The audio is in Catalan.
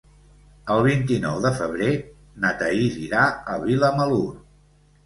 El vint-i-nou de febrer na Thaís irà a Vilamalur.